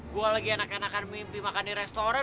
gue lagi anak anakan mimpi makan di restoran